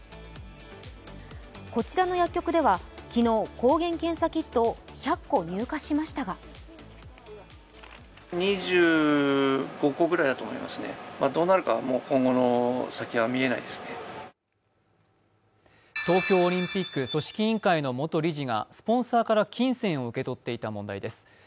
こちらの薬局では、昨日抗原検査キットを１００個入荷しましたが東京オリンピック組織委員会の元理事がスポンサーから金銭を受け取っていた問題です。